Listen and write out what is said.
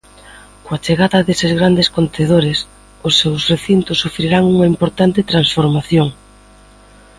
Coa chegada deses grandes contedores os seus recintos sufrirán unha importante transformación.